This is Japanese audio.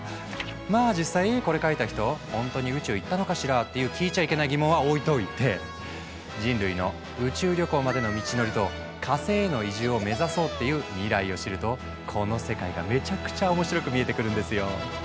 まあ実際これ書いた人ほんとに宇宙行ったのかしら？っていう聞いちゃいけない疑問は置いといて人類の宇宙旅行までの道のりと火星への移住を目指そうっていう未来を知るとこの世界がめちゃくちゃ面白く見えてくるんですよ。